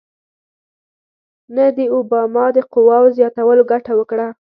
نه د اوباما د قواوو زیاتولو ګټه وکړه.